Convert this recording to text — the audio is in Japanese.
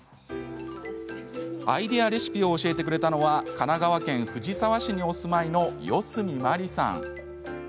アイデアレシピを教えてくれたのは神奈川県藤沢市にお住まいの四角まりさん。